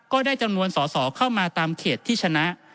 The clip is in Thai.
ก็ได้จำนวนสอสอเข้ามาตามเขตที่ชนะ